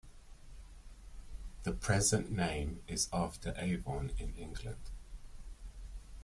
The present name is after Avon in England.